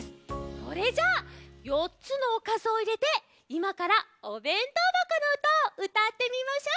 それじゃ４つのおかずをいれていまから「おべんとうばこのうた」をうたってみましょう。